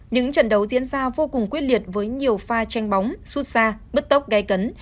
những trận đấu diễn ra vô cùng quyết liệt với nhiều pha tranh bóng xuất xa bứt tốc gai cấn